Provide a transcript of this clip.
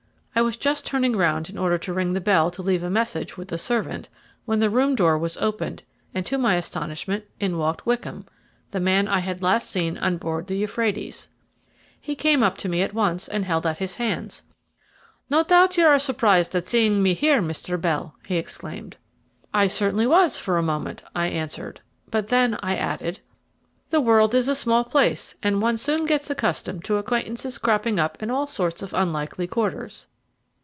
I was just turning round in order to ring the bell to leave a message with the servant, when the room door was opened and, to my astonishment, in walked Wickham, the man I had last seen on board the Euphrates. He came up to me at once and held out his hand. "No doubt you are surprised at seeing me here, Mr. Bell," he exclaimed. "I certainly was for a moment," I answered; but then I added, "The world is a small place, and one soon gets accustomed to acquaintances cropping up in all sorts of unlikely quarters."